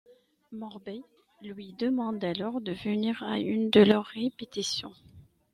Morbee lui demande alors de venir à une de leurs répétitions.